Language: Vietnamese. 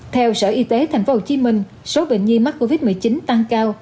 theo sở y tế tp hcm số bệnh nhi mắc covid một mươi chín tăng cao